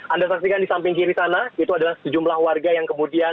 anda saksikan di samping kiri sana itu adalah sejumlah warga yang kemudian